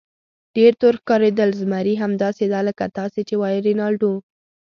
ډېر تور ښکارېدل، زمري: همداسې ده لکه تاسې چې وایئ رینالډو.